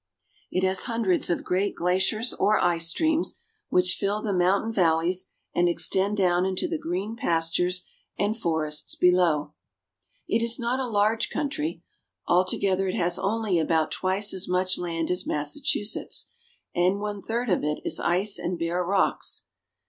It has hundreds of great glaciers or ice streams, which fill the mountain valleys and extend down into the green pastures and forests below. " Each must carry his own knapsack." It is not a large country. Altogether it has only about twice as much land as Massachusetts, and one third of it is ice and bare rocks.